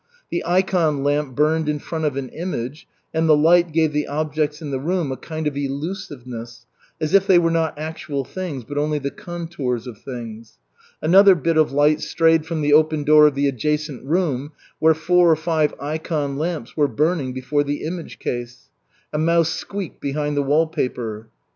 The ikon lamp burned in front of an image, and the light gave the objects in the room a kind of elusiveness, as if they were not actual things, but only the contours of things. Another bit of light strayed from the open door of the adjacent room, where four or five ikon lamps were burning before the image case. A mouse squeaked behind the wall paper.